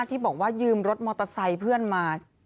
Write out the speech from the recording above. ที่บอกว่ายืมรถมอเตอร์ไซค์เพื่อนมา